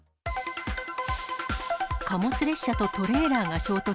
貨物列車とトレーラーが衝突。